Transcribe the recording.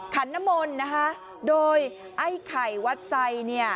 ขันนมลนะคะโดยไอ้ไข่วัดไซเนี่ย